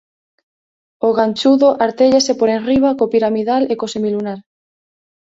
O ganchudo artéllase por enriba co piramidal e co semilunar.